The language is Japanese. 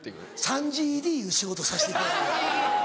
３時入りいう仕事させていただいて。